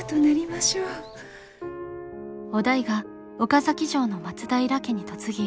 於大が岡崎城の松平家に嫁ぎ